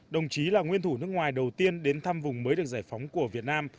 đồng chí là nguyên thủ nước ngoài đầu tiên đến thăm vùng mới được giải phóng của việt nam